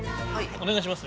おねがいします。